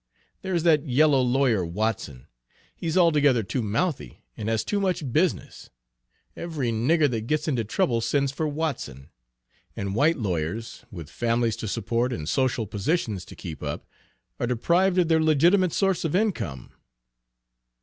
There's that yellow lawyer, Watson. He's altogether too mouthy, and has too much business. Every nigger that gets into trouble sends for Watson, and white lawyers, with families to support and social positions to keep up, are deprived of their legitimate source of income."